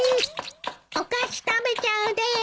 お菓子食べちゃうでーす。